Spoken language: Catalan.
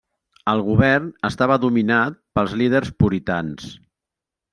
El govern estava dominat pels líders puritans.